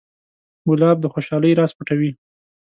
ګلاب د خوشحالۍ راز پټوي.